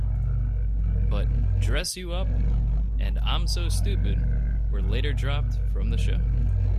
But "Dress You Up" and "I'm So Stupid" were later dropped from the show.